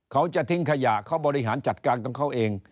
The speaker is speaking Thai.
เขาจะทิ้งขยะเขาบริหารจัดการของเขาเอง